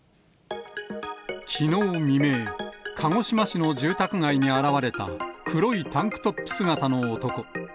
きのう未明、鹿児島市の住宅街に現れた黒いタンクトップ姿の男。